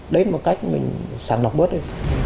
đấy là một cách mình sáng lọc bớt đi